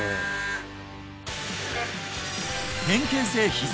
変形性ひざ